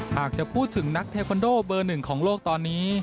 หากจะพูดถึงนักเทคอนโดเบอร์หนึ่งของโลกตอนนี้